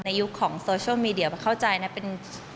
ยุคของโซเชียลมีเดียเข้าใจนะเป็น